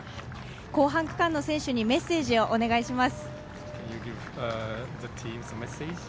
後半区間の選手にメッセージをお願いします。